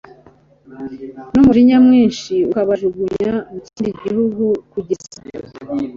n umujinya mwinshi akabajugunya mu kindi gihugu kugeza